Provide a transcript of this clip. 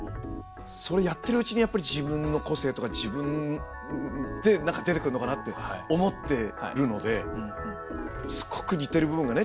それやってるうちにやっぱり自分の個性とか自分って何か出てくるのかなって思ってるのですごく似てる部分がね